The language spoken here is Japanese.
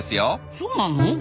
そうなの？